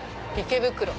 池袋。